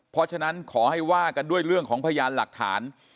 เพราะฉะนั้นขอให้ว่ากันด้วยเรื่องของพยานหลักฐาน